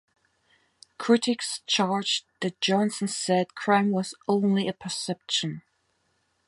Critics charged that Johnson said crime was only a perception.